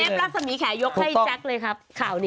รักษมีแขยกให้แจ๊คเลยครับข่าวนี้